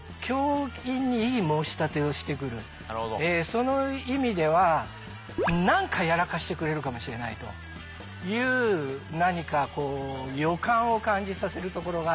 その意味では何かやらかしてくれるかもしれないという何かこう予感を感じさせるところがあって。